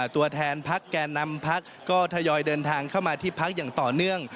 ตัวแทนพักแก่นำพักก็ทยอยเดินทางเข้ามาที่พักอย่างต่อเนื่อง